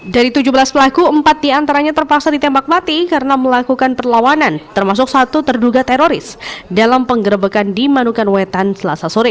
dari tujuh belas pelaku empat diantaranya terpaksa ditembak mati karena melakukan perlawanan termasuk satu terduga teroris dalam penggerbekan di manukan wetan selasa sore